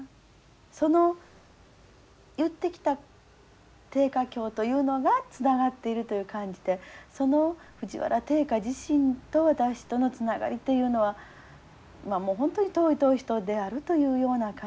その言ってきた定家卿というのがつながっているという感じでその藤原定家自身と私とのつながりというのは本当に遠い遠い人であるというような感じでだけで。